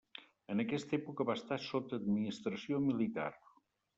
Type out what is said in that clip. En aquesta època va estar sota administració militar.